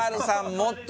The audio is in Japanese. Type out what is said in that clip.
もっと。